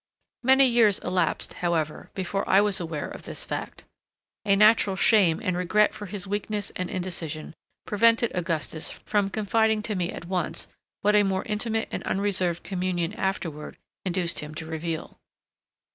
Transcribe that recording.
Many years elapsed, however, before I was aware of this fact. A natural shame and regret for his weakness and indecision prevented Augustus from confiding to me at once what a more intimate and unreserved communion afterward induced him to reveal.